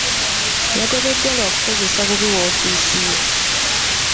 Yagobeddwa lwa kukozesa bubi woofiisi ye.